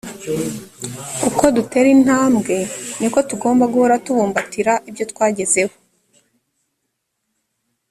uko dutera intambwe ni ko tugomba guhora tubumbatira ibyo twagezeho